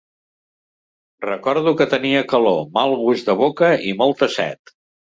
Recordo que tenia calor, mal gust de boca i molta set.